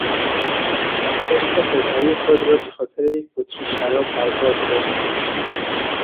ارث پدری خود را به خاطر یک بطری شراب بر باد داد.